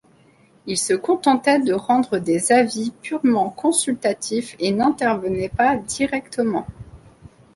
Ils se contentaient de rendre des avis purement consultatifs et n'intervenaient pas directement.